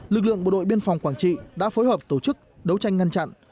lực lượng bộ đội biên phòng quảng trị đã phối hợp tổ chức đấu tranh ngăn chặn